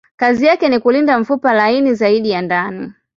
Kazi yake ni kulinda mfupa laini zaidi ya ndani.